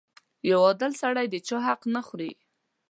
• یو عادل سړی د چا حق نه خوري.